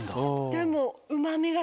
でも。